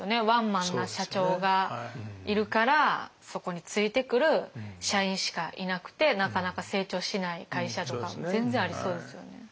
ワンマンな社長がいるからそこについてくる社員しかいなくてなかなか成長しない会社とかも全然ありそうですよね。